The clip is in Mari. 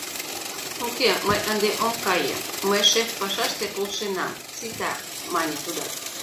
— Уке, мый ынде ом кае, мый шеф пашаште полшенам, сита, — мане тудат.